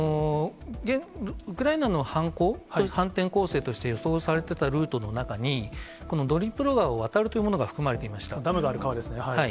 ウクライナの反攻、反転攻勢として予想されてたルートの中に、このドニプロ川を渡るダムがある川ですね。